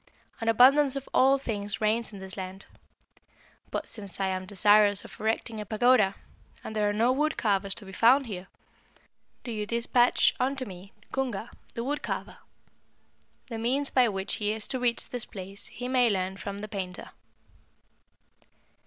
An abundance of all things reigns in this land; but since I am desirous of erecting a pagoda, and there are no wood carvers to be found here, do you despatch unto me Cunga, the wood carver. The means by which he is to reach this place he may learn from the painter.'